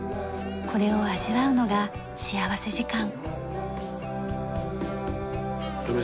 これを味わうのが幸福時間。